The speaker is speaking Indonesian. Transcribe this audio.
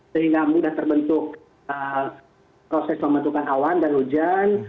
sehingga mudah terbentuk proses pembentukan awan dan hujan